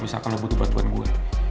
gue siap kalo lo butuh bantuan gue